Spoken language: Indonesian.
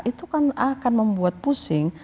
itu kan akan membuat pusing